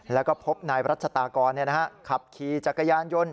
แล้วก็พบนายรัชตากรขับขี่จักรยานยนต์